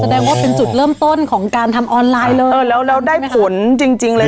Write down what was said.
แสดงว่าเป็นจุดเริ่มต้นของการทำออนไลน์เลยเออแล้วแล้วได้ผลจริงจริงเลย